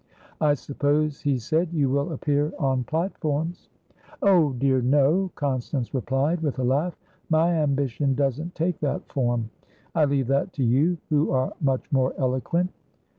"I suppose," he said, "you will appear on platforms?" "Oh dear no!" Constance replied, with a laugh. "My ambition doesn't take that form. I leave that to you, who are much more eloquent."